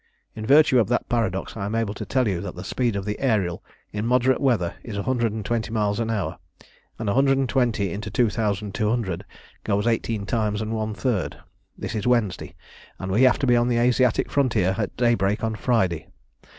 "In virtue of that paradox I am able to tell you that the speed of the Ariel in moderate weather is a hundred and twenty miles an hour, and a hundred and twenty into two thousand two hundred goes eighteen times and one third. This is Wednesday, and we have to be on the Asiatic frontier at daybreak on Friday.